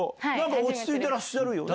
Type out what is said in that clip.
落ち着いてらっしゃるよね。